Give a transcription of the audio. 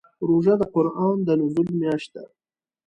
روژه د قران د نزول میاشت ده.